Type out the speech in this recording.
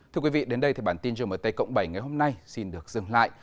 thưa quý vị đến đây thì bản tin rừng ở tây cộng bảy ngày hôm nay xin được dừng lại